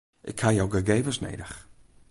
Ik ha jo gegevens nedich.